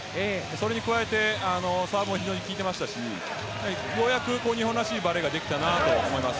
それに加えてサーブも非常に効いていましたしようやく日本らしいバレーができたと思います。